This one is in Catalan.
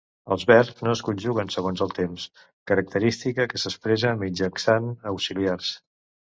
Els verbs no es conjuguen segons el temps, característica que s'expressa mitjançant auxiliars.